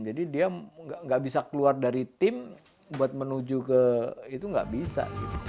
jadi dia nggak bisa keluar dari tim buat menuju ke itu nggak bisa